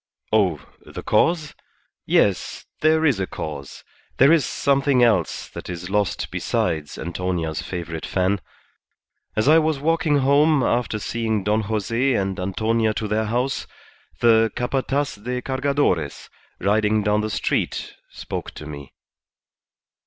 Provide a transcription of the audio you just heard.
Oh, the cause? Yes, there is a cause; there is something else that is lost besides Antonia's favourite fan. As I was walking home after seeing Don Jose and Antonia to their house, the Capataz de Cargadores, riding down the street, spoke to me."